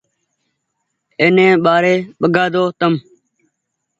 ايني ٻآري ٻگآۮو تم